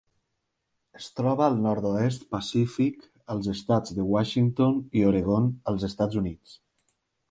Es troba al nord-oest pacífic, als estats de Washington i Oregon als Estats Units.